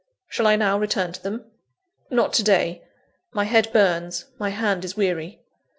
Shall I now return to them? Not to day; my head burns, my hand is weary.